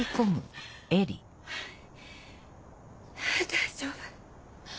大丈夫。